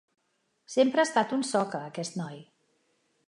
Sempre ha estat un soca, aquest noi.